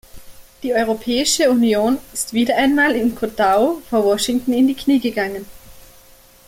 Die Europäische Union ist wieder einmal im Kotau vor Washington in die Knie gegangen.